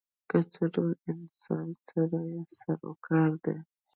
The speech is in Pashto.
له څه ډول انسان سره یې سر و کار دی.